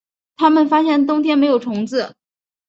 他们发现冬天没有虫子